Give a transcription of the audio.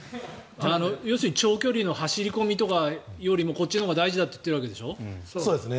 要するに長距離の走り込みとかよりもこっちのほうが大事だって言っているわけでしょう。